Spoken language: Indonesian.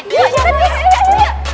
yuk yuk yuk yuk yuk yuk